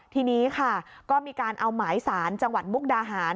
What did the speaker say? ทีนี้ค่ะก็มีการเอาหมายสารจังหวัดมุกดาหาร